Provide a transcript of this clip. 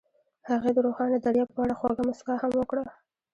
هغې د روښانه دریاب په اړه خوږه موسکا هم وکړه.